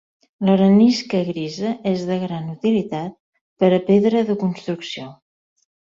L'arenisca grisa és de gran utilitat per a pedra de construcció.